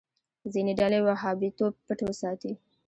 ځینې ډلې وهابيتوب پټ وساتي.